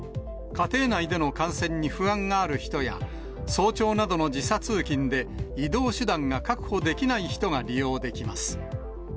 家庭内での感染に不安がある人や、早朝などの時差通勤で、移動手段が確保できない人が利用できます。